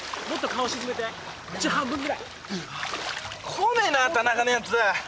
来ねえな田中のヤツ。